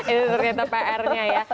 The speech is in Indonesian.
itu ternyata pr nya ya